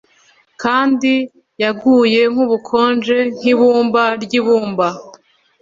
Kandi yaguye nkubukonje nkibumba ryibumba